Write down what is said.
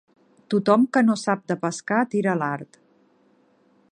Tothom que no sap de pescar tira l'art.